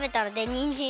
にん！じん！